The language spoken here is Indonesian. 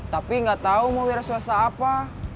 tapi gak tau mau wiras wasta apa